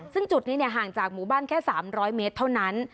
ซึ่งจุดนี้ห่างจากหมู่บ้านแค่๓๐๐เมตรเท่านั้น